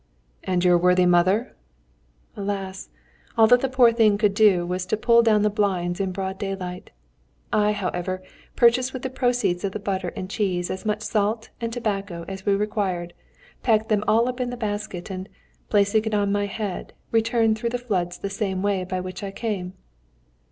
"And your worthy mother?" "Alas! all that the poor thing could do was to pull down all the blinds in broad daylight. I, however, purchased with the proceeds of the butter and cheese as much salt and tobacco as we required, packed them all up in the basket, and, placing it on my head, returned through the floods the same way by which I came."